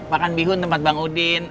makan bihun tempat bang udin